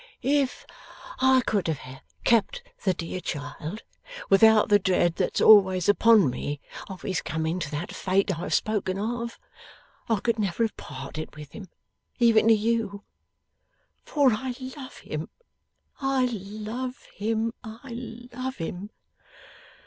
'If I could have kept the dear child, without the dread that's always upon me of his coming to that fate I have spoken of, I could never have parted with him, even to you. For I love him, I love him, I love him!